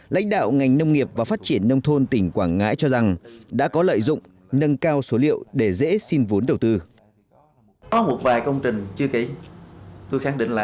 lãnh đạo ngành nông nghiệp và phát triển nông thôn tỉnh quảng ngãi cho rằng đã có lợi dụng nâng cao số liệu để dễ xin vốn đầu tư